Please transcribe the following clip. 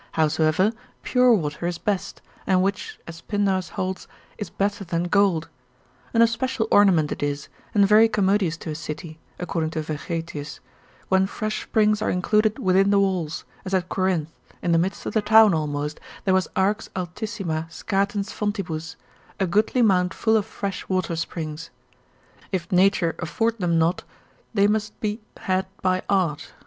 Howsoever, pure water is best, and which (as Pindarus holds) is better than gold; an especial ornament it is, and very commodious to a city (according to Vegetius) when fresh springs are included within the walls, as at Corinth, in the midst of the town almost, there was arx altissima scatens fontibus, a goodly mount full of fresh water springs: if nature afford them not they must be had by art.